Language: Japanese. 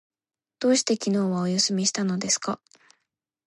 どうして昨日はお休みしたのですか？